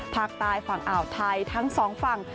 ภาคใต้ฝั่งอ่าวไทยทั้งสองฝั่ง